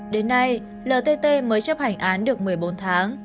đến nay ltt mới chấp hành án được một mươi bốn tháng